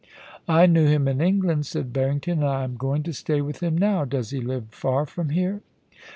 * I knew him in England,' said Barrington, * and I'm going to stay ^ith him now. Does he live far from here